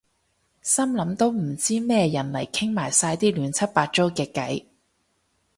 心諗都唔知咩人嚟傾埋晒啲亂七八糟嘅偈